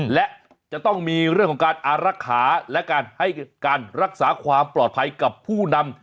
และจะต้องมีเรื่องของการอารักษาและการให้การรักษาความปลอดภัยกับผู้นำ